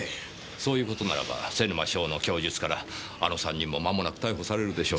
そういう事ならば瀬沼翔の供述からあの３人もまもなく逮捕されるでしょう。